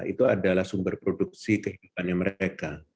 itu adalah sumber produksi kehidupannya mereka